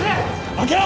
開けろ。